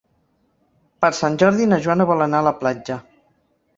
Per Sant Jordi na Joana vol anar a la platja.